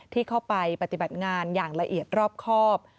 ที่เข้าไปปฏิบัติงานอย่างละเอียดรอบครอบ